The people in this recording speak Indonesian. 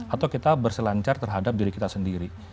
atau kita berselancar terhadap diri kita sendiri